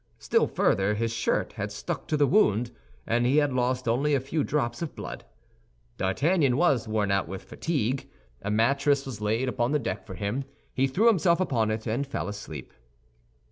Still further, his shirt had stuck to the wound, and he had lost only a few drops of blood. D'Artagnan was worn out with fatigue. A mattress was laid upon the deck for him. He threw himself upon it, and fell asleep.